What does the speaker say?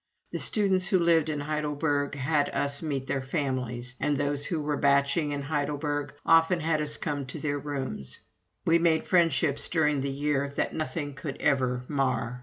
The students who lived in Heidelberg had us meet their families, and those who were batching in Heidelberg often had us come to their rooms. We made friendships during that year that nothing could ever mar.